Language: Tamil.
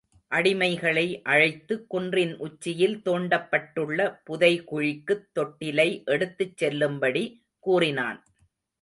அடிமைகளை அழைத்து, குன்றின் உச்சியில் தோண்டப்பட்டுள்ள புதை குழிக்குத் தொட்டிலை எடுத்துச் செல்லும்படி கூறினான்.